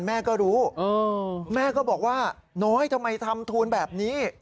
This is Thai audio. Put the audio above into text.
แม่ก็รู้แม่ก็บอกว่าน้อยทำไมทำทูลแบบนี้